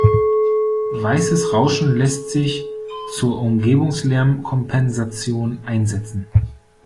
Weißes Rauschen lässt sich zur Umgebungslärmkompensation einsetzen.